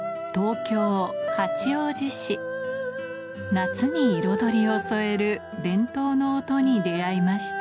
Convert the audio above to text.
夏に彩りを添える伝統の音に出合いました